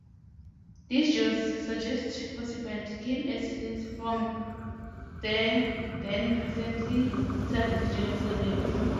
These Jews, suggests Horsefield, came as slaves from the then recently sacked Jerusalem.